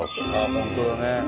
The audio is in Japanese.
本当だね。